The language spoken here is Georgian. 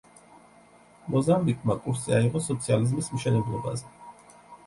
მოზამბიკმა კურსი აიღო სოციალიზმის მშენებლობაზე.